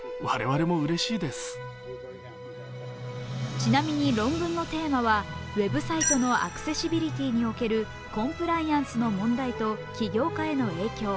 ちなみに論文のテーマは、「ウェブサイトのアクセシビリティーにおけるコンプライアンスの問題と起業家への影響」。